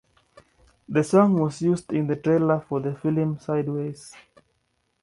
The song was used in the trailer for the film "Sideways".